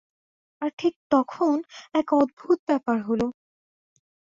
আর ঠিক তখন এক অদ্ভুত ব্যাপার হলো।